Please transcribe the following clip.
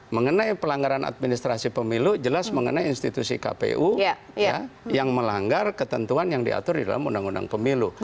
mengenai pelanggaran administrasi pemilu jelas mengenai institusi kpu yang melanggar ketentuan yang diatur di dalam undang undang pemilu